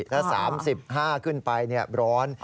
ถ้า๓๕ขึ้นไปร้อน